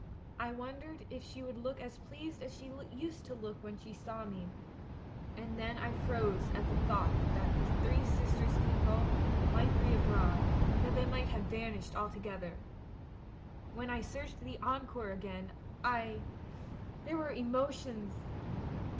I wondered if she would look as pleased as she used to look when she saw me — and then I froze at the thought that The Sisters Clicquot might be abroad, that they might have vanished altogether. When I searched the Encore again, I There were emotions